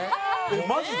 マジで？